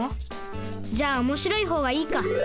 じゃあおもしろいほうがいいか。